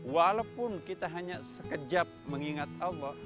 walaupun kita hanya sekejap mengingat allah